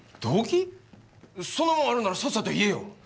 そんなもんあるならさっさと言えよ。